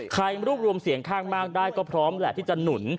ใครรวบรวมเสียงข้างมากได้ก็พร้อมแหละที่จะหนุน